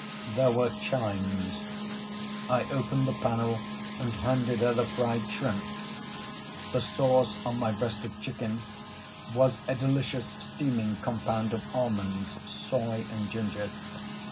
There were chimes. I opened the panel and handed her the fried shrimps. The sauce on my breast of chicken was a delicious steaming compound of almonds, soy and ginger.